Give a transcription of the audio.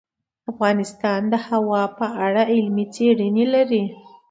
افغانستان د هوا په اړه علمي څېړنې لري.